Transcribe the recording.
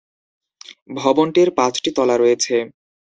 ভবনটির পাঁচটি তলা রয়েছে।